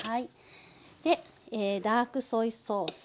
でダークソイソース。